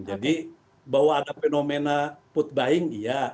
jadi bahwa ada fenomena put buying iya